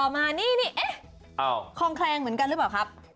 มานี่เอ๊ะคลองแคลงเหมือนกันหรือเปล่าครับ